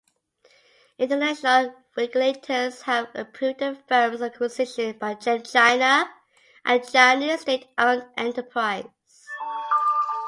International regulators have approved the firm's acquisition by ChemChina, a Chinese state-owned enterprise.